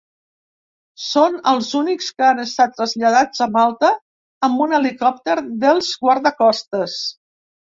Són els únics que han estat traslladats a Malta amb un helicòpter dels guardacostes.